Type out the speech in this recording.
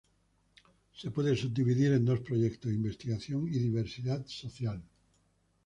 Se puede subdividir en dos proyectos: investigación y diversidad social.